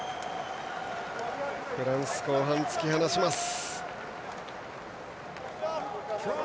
フランス後半、突き放します。